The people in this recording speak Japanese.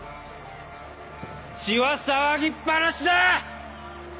血は騒ぎっぱなしだ！